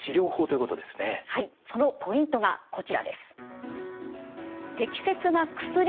はいそのポイントがこちらです。